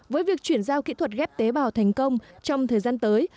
với việc chuyển giao kỹ thuật ghép tế bào thành công trong thời gian tới